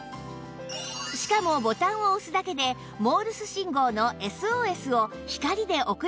しかもボタンを押すだけでモールス信号の ＳＯＳ を光で送る事ができるんです